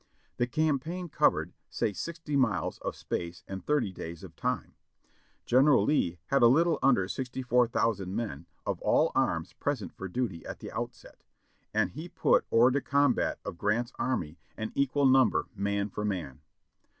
The campaign covered, say sixty miles of space and thirty days of time. General Lee had a little under 64.000 men of all arms present for duty at the outset, and he put Jiors de combat of Grant's army an equal number man for man.